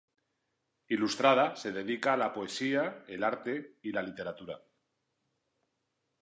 Ilustrada, se dedica a la poesía, el arte y la literatura.